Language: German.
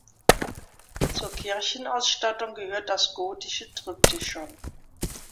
Zur Kirchenausstattung gehört das gotische Triptychon.